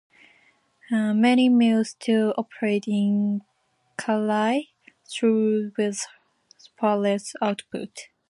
Many mills still operate in Kallai, though with far less output.